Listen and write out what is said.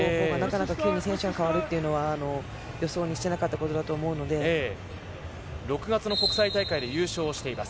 戦う選手が変わるっていうのは予想していなかったことだと思うの６月の国際大会で優勝しています。